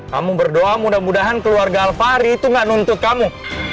kamu berdoa mudah mudahan keluarga alfari itu gak nuntut kamu